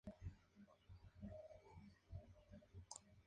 Los asaltantes exigieron dinero.